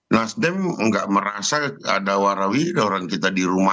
nasdem nggak merasa ada warawiri orang kita di rumah